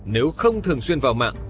nếu không thường xuyên vào mạng